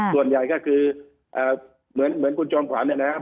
ส่วนใหญ่ก็คือเหมือนคุณจอมขวัญเนี่ยนะครับ